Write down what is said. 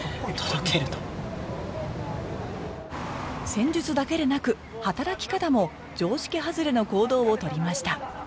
戦術だけでなく働き方も常識外れの行動をとりました